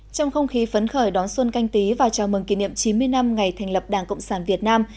trong không khí phấn khởi đón xuân canh tí và chào mừng kỷ niệm chín mươi năm ngày thành lập đảng cộng sản việt nam